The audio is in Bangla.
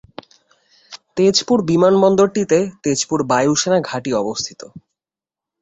তেজপুর বিমানবন্দর টিতে তেজপুর বায়ু সেনা ঘাঁটি অবস্থিত।